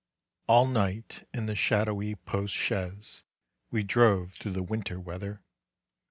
All night, in the shadowy post chaise, We drove through the winter weather.